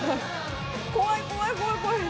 怖い怖い怖い怖い。